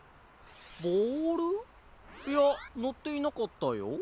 ボールいやのっていなかったよ。